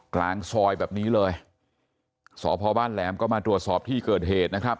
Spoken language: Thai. กลางซอยแบบนี้เลยสพบ้านแหลมก็มาตรวจสอบที่เกิดเหตุนะครับ